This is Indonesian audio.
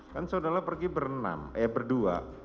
kan saudara pergi berdua